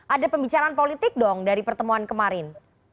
ada pembicaraan politik dong dari pertemuan kemarin